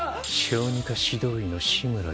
小児科指導医の志村です。